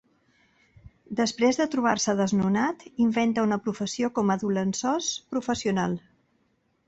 Després de trobar-se desnonat, inventa una professió com a dolençós professional.